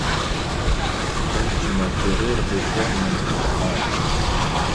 Comme tu m’as fait rire des fois, mon doux ange !